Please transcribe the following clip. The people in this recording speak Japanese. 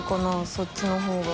そっちのほうが。